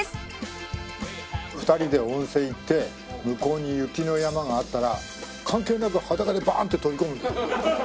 ２人で温泉行って向こうに雪の山があったら関係なく裸でバァーンって飛び込むんだよ。